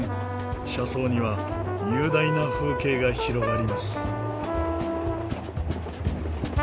車窓には雄大な風景が広がります。